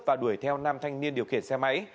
và đuổi theo năm thanh niên điều khiển xe máy